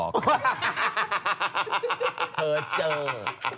โคตร